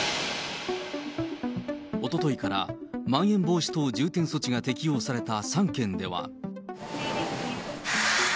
おとといから、まん延防止等重点措置が適用された３県では。